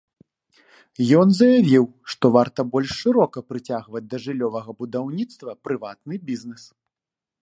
Ён заявіў, што варта больш шырока прыцягваць да жыллёвага будаўніцтва прыватны бізнэс.